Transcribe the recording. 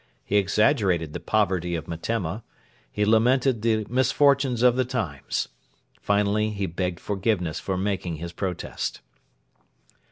He exaggerated the poverty of Metemma; he lamented the misfortunes of the times. Finally he begged forgiveness for making his protest.